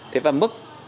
thế và mức